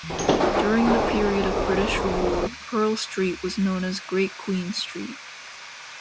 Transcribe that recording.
During the period of British rule, Pearl Street was known as Great Queen Street.